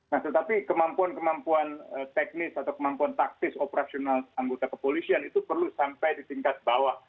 nah tetapi kemampuan kemampuan teknis atau kemampuan taktis operasional anggota kepolisian itu perlu sampai di tingkat bawah